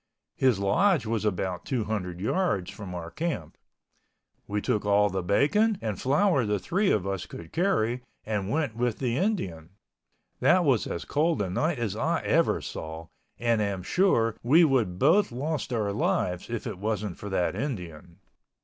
His lodge was about 200 yards from our camp. We took all the bacon and flour the three of us could carry and went with the Indian. That was as cold a night as I ever saw and am sure we would both lost our lives if it wasn't for that Indian.